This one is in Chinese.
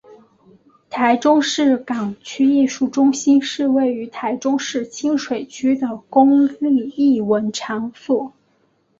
台中市港区艺术中心是位于台中市清水区的公立艺文场所。